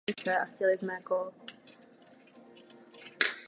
Mniši zde produkují a prodávají víno a olivový olej.